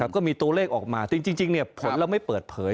ก็มีตัวเลขออกมาจริงผลเราไม่เปิดเผย